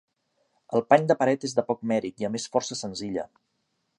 El pany de paret és de poc mèrit i a més força senzilla.